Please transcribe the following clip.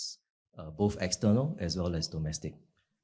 sekitar eksternal dan domestik